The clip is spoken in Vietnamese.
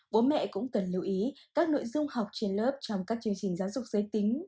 bố mẹ cũng cần lưu ý các nội dung học trên lớp trong các chương trình giáo dục giới tính